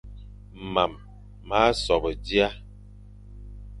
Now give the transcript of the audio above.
Mam ma sobe dia,